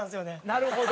なるほど。